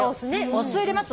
お酢を入れます。